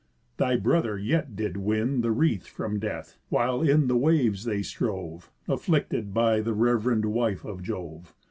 Thy brother yet did win The wreath from death, while in the waves they strove, Afflicted by the rev'rend wife of Jove.